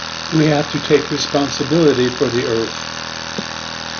We have to take responsibility for the earth.